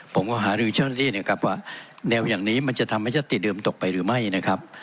ผมก็หารือเจ้าหน้าที่นะครับว่าแนวอย่างนี้มันจะทำให้ยัตติเดิมตกไปหรือไม่นะครับ